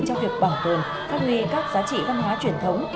trong việc bảo tồn phát huy các giá trị văn hóa truyền thống